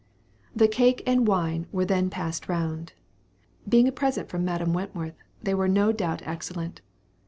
The cake and wine were then passed round. Being a present from Madame Wentworth, they were no doubt excellent.